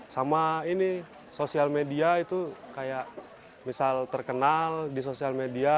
sama ini sosial media itu kayak misal terkenal di sosial media